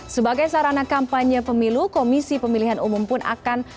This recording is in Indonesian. sebagai sarana kampanye pemilu komisi pemilihan umum pun akan